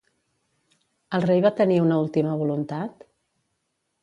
El rei va tenir una última voluntat?